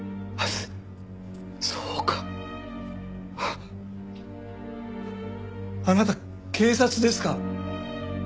あっあなた警察ですか？